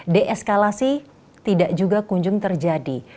deeskalasi tidak juga kunjung terjadi